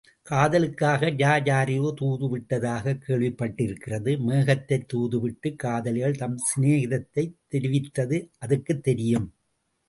காதலுக்காக யார் யாரையோ தூதுவிட்டதாகக் கேள்விப்பட்டிருக்கிறது மேகத்தைத் தூதுவிட்டுக் காதலிகள் தம் சிநேகத்தைத் தெரிவித்தது அதுக்குத் தெரியும்.